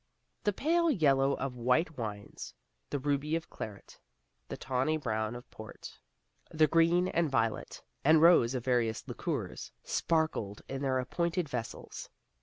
The pale yellow of white wines, the ruby of claret, the tawny brown of port, the green and violet and rose of various liqueurs, sparkled in their appointed vessels.